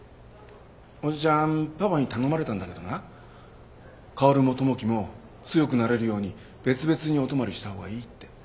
おじちゃんパパに頼まれたんだけどな薫も友樹も強くなれるように別々にお泊まりした方がいいって。